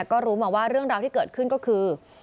ก็รู้มาว่าเรื่องราวที่เกิดขึ้นก็คือ